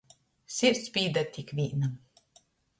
Sirds pīdar tik vīnam.